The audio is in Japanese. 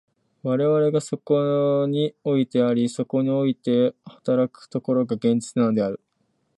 我々がそこにおいてあり、そこにおいて働く所が、現実なのである。